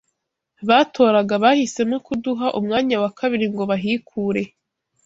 batoraga bahisemo kuduha umwanya wa kabiri ngo bahikure